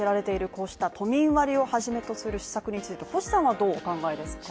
こうした都民割をはじめとする施策について星さんはどうお考えですか。